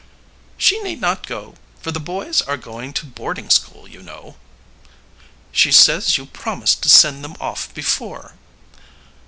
"She need not go for the boys are going to boarding school, you know." "She says you promised to send them off before."